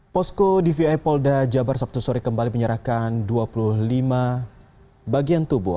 posko dvi polda jabar sabtu sore kembali menyerahkan dua puluh lima bagian tubuh